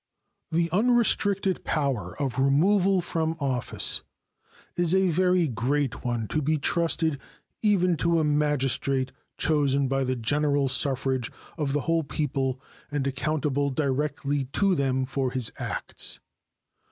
The unrestricted power of removal from office is a very great one to be trusted even to a magistrate chosen by the general suffrage of the whole people and accountable directly to them for his acts.